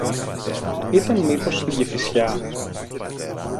Ήταν μήπως στην Κηφισιά;